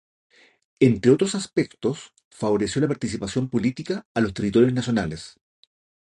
Entre otros aspectos favoreció la participación política a los territorios Nacionales.